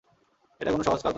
এটা কোন সহজ কাজ নয়।